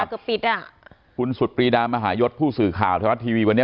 ป้าก็ปิดอ่ะคุณสุดปรีดามหายศผู้สื่อข่าวธรรมชาติทวีวันนี้